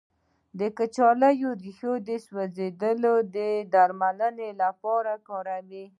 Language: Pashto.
د کچالو ریښه د سوځیدو د درملنې لپاره وکاروئ